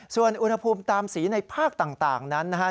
ส่วนอุณหภูมิตามสีในภาคต่างนั้นนะครับ